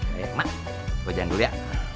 oke emak gua jalan dulu ya